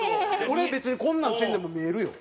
俺別にこんなんせんでも見えるよ。